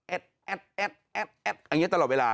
แอ๊ดแอ๊ดแอ๊ดแอ๊ดแอ๊ดอย่างนี้ตลอดเวลา